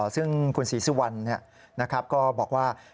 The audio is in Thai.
ซึ่งคุณศรีสุวรรณก็บอกว่า